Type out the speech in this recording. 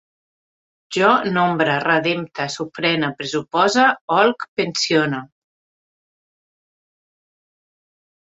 Jo nombre, retempte, sofrene, pressupose, olc, pensione